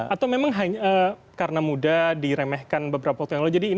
atau memang karena mudah diremehkan beberapa waktu yang lalu